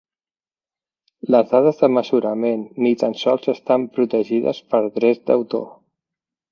Les dades de mesurament ni tan sols estan protegides per drets d'autor.